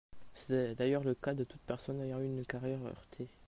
C’est d’ailleurs le cas de toute personne ayant eu une carrière heurtée.